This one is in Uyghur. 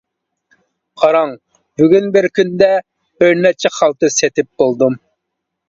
قاراڭ بۈگۈن بىر كۈندە بىرنەچچە خالتا سېتىپ بولدۇم.